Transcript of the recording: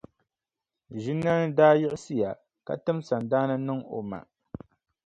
Ʒinani daa yiɣisiya ka tim sandaani niŋ o ma.